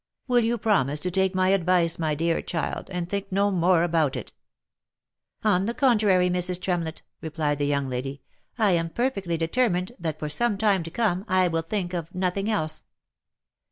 Will you promise to take my advice, my dear child, and think no more about it?" " On the contrary, Mrs. Tremlett," replied the young lady ;" I am perfectly determined that for some time to come I will think of nothing else."